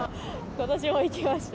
ことしも行きました。